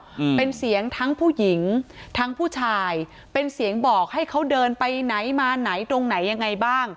อืมเป็นเสียงทั้งผู้หญิงทั้งผู้ชายเป็นเสียงบอกให้เขาเดินไปไหนมาไหนตรงไหนยังไงบ้าง